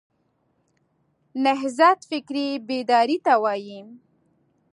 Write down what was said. نهضت فکري بیداري ته وایي.